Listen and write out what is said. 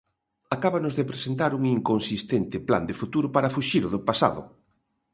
Acábanos de presentar un inconsistente plan de futuro para fuxir do pasado.